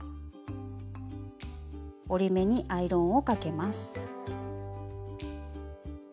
折り目にアイロンをかけます。